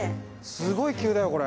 すごい急だよこれ。